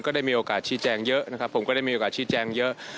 ได้มีโอกาสชี้แจงเยอะนะครับผมก็ได้มีโอกาสชี้แจงเยอะ